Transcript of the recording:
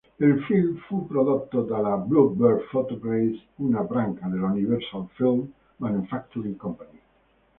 Il film fu prodotto dalla Bluebird Photoplays, una branca dell'Universal Film Manufacturing Company.